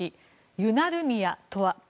ユナルミヤとは？